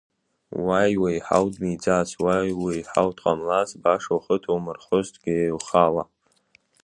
Уа иуеиҳау дмиӡац, уа иуеиҳау дҟамлаӡац, баша ухы ҭоумырхозҭгьы ухала.